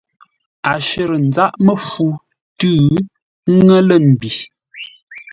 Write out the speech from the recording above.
A shərə́ záʼ məfu tʉ̌ ŋə́ lə̂ mbî.